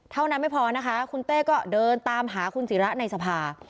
เท่านั้นไม่พอนะคะคุณเต้ก็เดินตามหาคุณศิระในสภา